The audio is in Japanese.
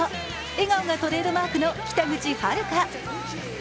笑顔がトレードマークの北口榛花。